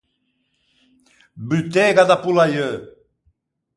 Butega da pollaieu.